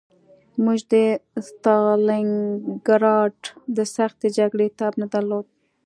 موږ د ستالینګراډ د سختې جګړې تاب نه درلود